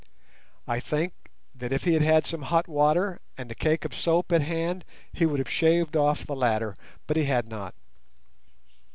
I think that if he had had some hot water and a cake of soap at hand he would have shaved off the latter; but he had not.